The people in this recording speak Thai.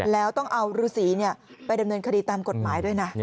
แล้วต้องเอาฤษีไปดำเนินคดีตามกฎหมายด้วยนะ